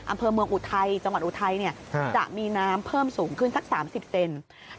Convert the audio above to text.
อำเภอเมืองอุทัยจังหวัดอุทัยเนี่ยจะมีน้ำเพิ่มสูงขึ้นสัก๓๐เซนติเซนติเซน